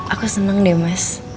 terima kasih banyak mas